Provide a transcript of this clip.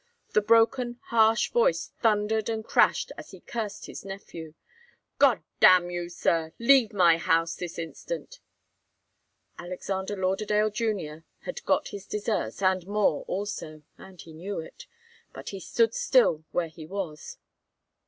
The broken, harsh voice thundered and crashed as he cursed his nephew. "God damn you, sir! Leave my house this instant!" Alexander Lauderdale Junior had got his deserts and more also, and he knew it. But he stood still where he was.